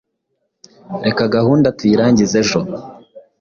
reka gahunda tuyirangize ejo